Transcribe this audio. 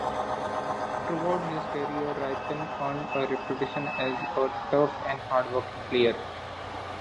Throughout his career, Rypien earned a reputation as a tough and hardworking player.